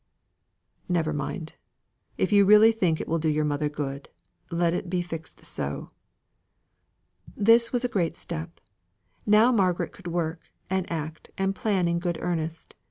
Never mind! If you really think it will do your mother good, let it be fixed so." This was a great step. Now Margaret could work, and act, and plan in good earnest.